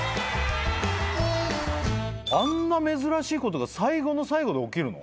あんな珍しいことが最後の最後で起きるの？